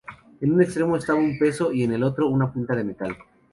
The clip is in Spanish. En un extremo estaba un peso y en el otro, una punta de metal.